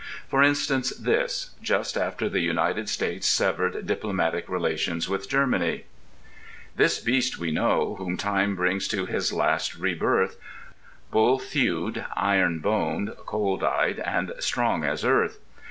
For instance this, just after the United States severed diplomatic relations with Germany: This Beast we know, whom time brings to his last rebirth Bull thewed, iron boned, cold eyed and strong as Earth